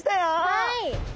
はい。